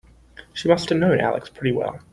She must have known Alex pretty well.